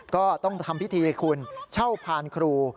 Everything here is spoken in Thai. ก็ต้องทำพิธีคุณเช่าพานครู